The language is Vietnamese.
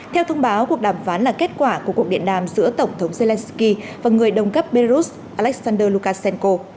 theo thông báo cuộc đàm phán là kết quả của cuộc điện đàm giữa tổng thống zelensky và người đồng cấp belarus alexander lukashenko